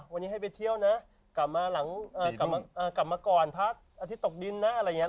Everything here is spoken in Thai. วันนี้ให้ไปเที่ยวนะกลับมาหลังกลับมาก่อนพักอาทิตย์ตกดินนะอะไรอย่างนี้